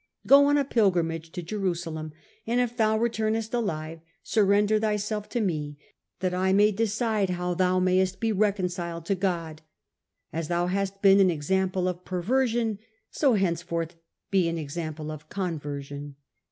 Go on a pilgrimage to Jerusalem, and if thou retumest alive surrender thyself to me that I may decide how thou mayest be reconciled to Gk)d. As thou hast been on example of j?erversion, so henceforth be an example of conversion.'